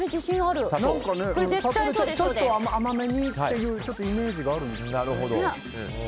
ちょっと甘めにというイメージがあるんです。